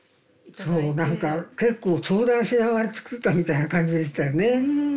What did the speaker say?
そう何か結構相談しながら作ったみたいな感じでしたよね。